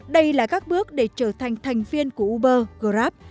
đây là các bước để trở thành thành viên của uber grab